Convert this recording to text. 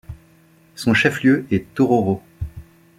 Son chef-lieu est Tororo.